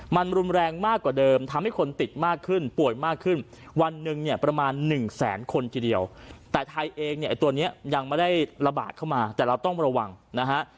มันรุนแรงมากกว่าเดิมทำให้คนติดมากขึ้นป่วยมากขึ้นวันหนึ่งเนี่ยประมาณหนึ่งแสนคนทีเดียวแต่ไทยเองเนี่ยไอ้ตัวนี้ยังไม่ได้ระบาดเข้ามาแต่เราต้องระวังนะฮะ